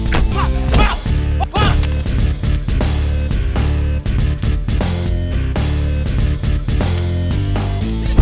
kau harus hafal penuh ya